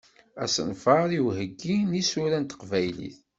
Asenfar i uheggi n yisura n teqbaylit.